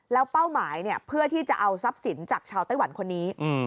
แล้วเป้าหมายเพื่อที่จะเอาทรัพย์สินจากชาวไต้หวันคนนี้